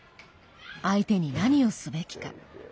相手に何をすべきか。